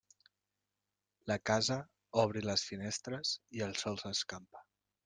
La casa obri les finestres i el sol s'escampa.